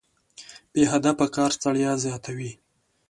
بې هدفه کار ستړیا زیاتوي.